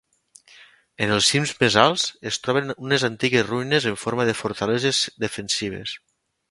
En els cims més alts es troben unes antigues ruïnes en forma de fortaleses defensives.